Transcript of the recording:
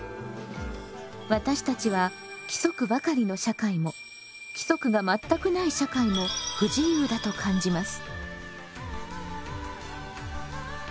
私たちは規則ばかりの社会も規則が全くない社会も不自由だと感じます。